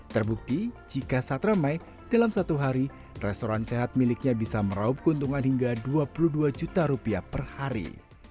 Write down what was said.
terbukti jika saat ramai dalam satu hari restoran sehat miliknya bisa meraup keuntungan hingga dua puluh dua juta rupiah per hari